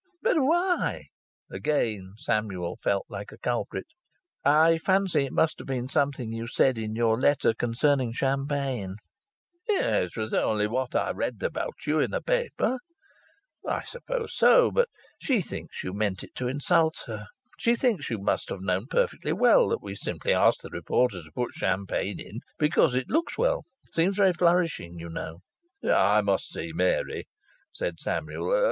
"But why?" Again Samuel felt like a culprit. "I fancy it must be something you said in your letter concerning champagne." "It was only what I read about you in a paper." "I suppose so. But she thinks you meant it to insult her. She thinks you must have known perfectly well that we simply asked the reporter to put champagne in because it looks well seems very flourishing, you know." "I must see Mary," said Samuel.